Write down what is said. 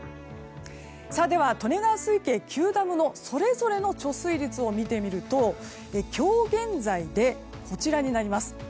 利根川水系９ダムのそれぞれの貯水率を見てみると今日現在でこちらになります。